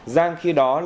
giang khi đó